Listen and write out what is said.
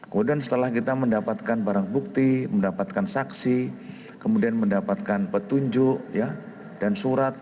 kemudian setelah kita mendapatkan barang bukti mendapatkan saksi kemudian mendapatkan petunjuk dan surat